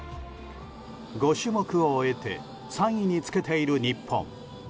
５種目を終えて３位につけている日本。